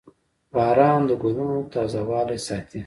• باران د ګلونو تازهوالی ساتي.